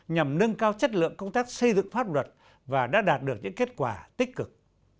nhằm nâng cao chất lượng công tác xây dựng pháp luật và đã đạt được những kết quả tích cực